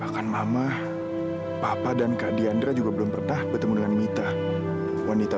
sampai jumpa di video selanjutnya